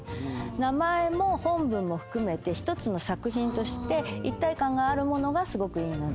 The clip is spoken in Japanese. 名前も本文も含めて一つの作品として一体感があるものがすごくいいので。